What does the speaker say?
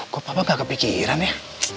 kok papa gak kepikiran ya